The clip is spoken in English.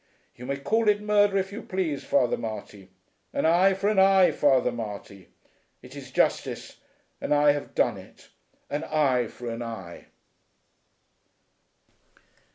"You may call it murder if you please, Father Marty. An eye for an eye, Father Marty! It is justice, and I have done it. An Eye for an Eye!"